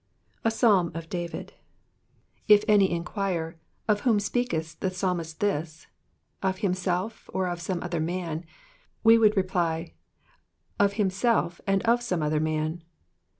A Psalm of David. If any enquire, of whom speakeih the psalmist tlusf of himself ^ or of some other man?" we would reply. *' of himself, and of some other man."